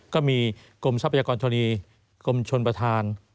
ก็มีกรมทรัพยากรชนีกรมชนประธาน